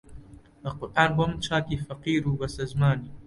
بە قورئان بۆ من چاکی فەقیر و بەستەزمانی